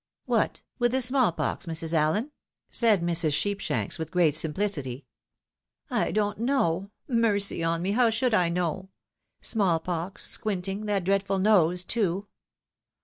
" What, with the smallpox, Mrs. Allen ?" said Mrs. Sheep shanks, with great simplicity. " I don't know. Mercy on me ! how should I know ? Small pox, sqviinting, that dreadful nose too